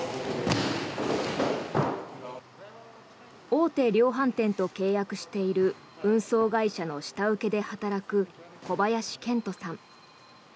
大手量販店と契約している運送会社の下請けで働く小林賢斗さん。